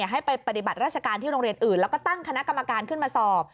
ให้ไปปฏิบัติราชการที่โรงเรียนอื่นแล้วก็ตั้งคณะกรรมการขึ้นมาสอบ